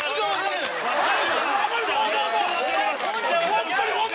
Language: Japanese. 本当に本当に！